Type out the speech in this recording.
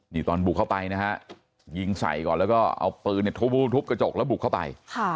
นี่ตอนบุกเข้าไปนะฮะยิงใส่ก่อนแล้วก็เอาปืนทุบกระจกแล้วบุกเข้าไป